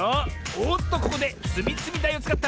おっとここでつみつみだいをつかった！